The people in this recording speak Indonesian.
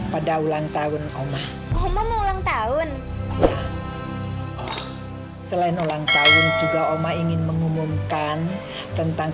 pada ulang tahun oma oma ulang tahun ya selain ulang tahun juga oma ingin mengumumkan tentang